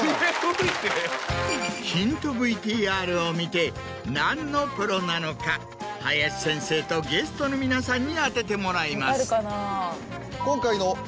ヒントＶＴＲを見て何のプロなのか林先生とゲストの皆さんに当ててもらいます。